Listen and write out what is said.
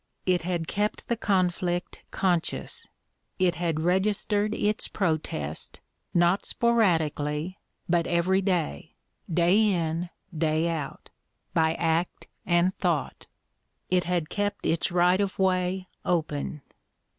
It had kept the conflict conscious, it had registered its protest, not sporadically but every day, day in, day out, by act and thought; it had kept its right of way open.